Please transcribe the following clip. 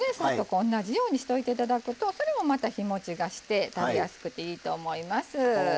同じようにしておいて頂くとそれもまた日もちがして食べやすくていいと思います。